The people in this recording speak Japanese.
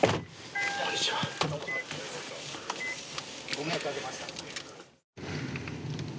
ご迷惑をかけました。